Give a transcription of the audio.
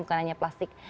bukan hanya plastik